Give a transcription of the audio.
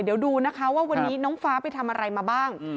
เดี๋ยวดูนะคะว่าวันนี้น้องฟ้าไปทำอะไรมาบ้าง